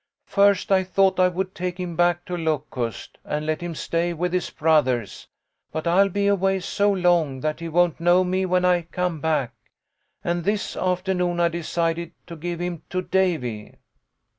"First I thought I would take him back to Locust, and let him stay with his brothers ; but I'll be away so long that he won't know me when I come back, and this afternoon I decided to give him to Davy.